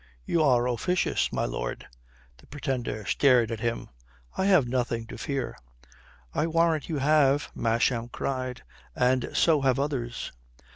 "You are officious, my lord." The Pretender stared at him. "I have nothing to fear." "I warrant you have," Masham cried. "And so have others."